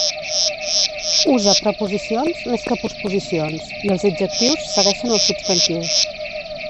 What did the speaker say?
Usa preposicions més que posposicions, i els adjectius segueixen els substantius.